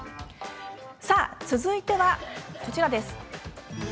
続いてはこちらです。